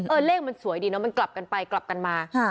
เลขมันสวยดีเนอะมันกลับกันไปกลับกันมา